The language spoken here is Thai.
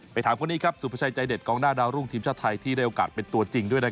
ถามคนนี้ครับสุภาชัยใจเด็ดกองหน้าดาวรุ่งทีมชาติไทยที่ได้โอกาสเป็นตัวจริงด้วย